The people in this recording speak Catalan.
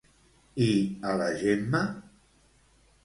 I a la Gemma?